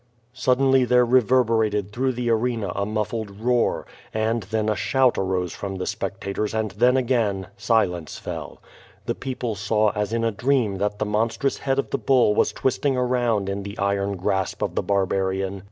Suddenly there reverberated through the arena a muffled roar^ and then a shout arose from the spectators and then 478 <?^0 VADI8. dgain silence fell. The people saw as in a dream that the monstrous head of the bull was twisting around in the iron grasp of the barbarian.